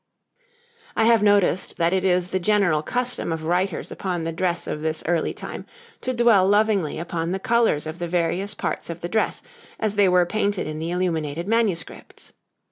I have noticed that it is the general custom of writers upon the dress of this early time to dwell lovingly upon the colours of the various parts of the dress as they were painted in the illuminated manuscripts.